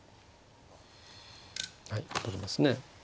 はい取りますね。